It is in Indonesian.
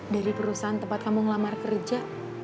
dari perusahaan tempat kamu ngelamar kerja